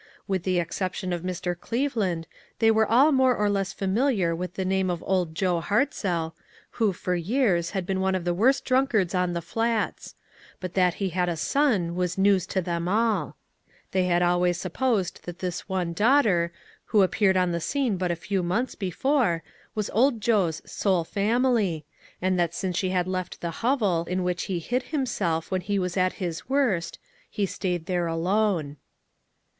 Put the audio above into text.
With the exception of Mr. Cleve land, they were all more or less familiar with the name of Old Joe Hartzell, who, for years, had been one of the worst drunk ards on the Flats ; but that he had a son was news to them all. The}r had always supposed that this one daughter, who ap peared on the scene but a few months before, was Old Joe's sole family, and that since she had left the hovel in which he SHALL WE TRY? 97 hid himself when he was at his worst, he staid there alone.